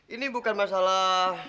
ini bukan masalah